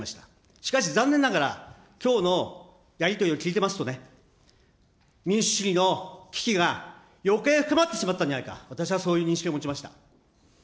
しかし残念ながら、きょうのやり取りを聞いてますとね、民主主義の危機がよけい深まってしまったんじゃないか、私はそういう認識を持ちました。